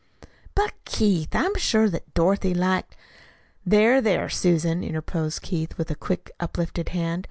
"But, Keith, I'm sure that Dorothy liked " "There, there, Susan," interposed Keith, with quickly uplifted hand.